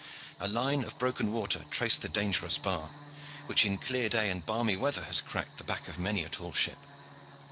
A line of broken water traced the dangerous bar, which in clear day and balmy weather has cracked the back of many a tall ship.